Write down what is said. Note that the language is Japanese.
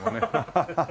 ハハハッ！